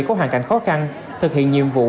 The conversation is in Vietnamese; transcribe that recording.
có hoàn cảnh khó khăn thực hiện nhiệm vụ